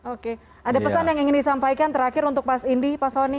oke ada pesan yang ingin disampaikan terakhir untuk mas indi pak soni